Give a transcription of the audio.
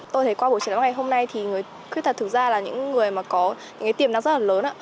tôi thấy qua buổi trẻ năm ngày hôm nay thì người khuyết tật thực ra là những người mà có những cái tiềm năng rất là lớn